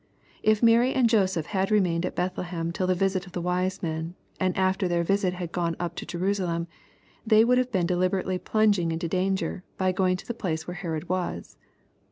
If Mary and Joseph had remained at Bethlehem till the visit of the wise men, and after their visit had gone up to Jerusalem, they would have been deliberately plunging into danger, by going to the place where Herod was.